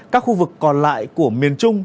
các khu vực còn lại của miền trung